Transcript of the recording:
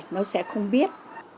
nó sẽ không biết